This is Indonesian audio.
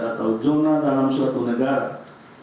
atau jurnal dalam suatu negara